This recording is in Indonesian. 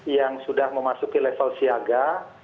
yang sudah memasuki level siaga